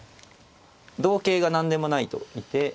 同桂が何でもないと見て。